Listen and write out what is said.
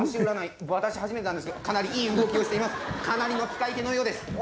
「かなりの使い手のようです。